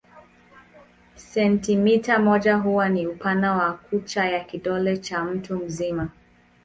Sentimita moja huwa ni upana wa kucha ya kidole cha mtu mzima.